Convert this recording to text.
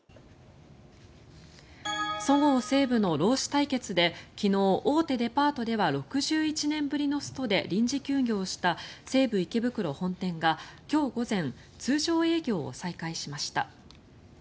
そごう・西武の労使対立で昨日、大手デパートでは６１年ぶりのストで臨時休業した西武池袋本店が今日午前通常営業を再開しました。